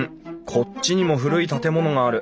こっちにも古い建物がある。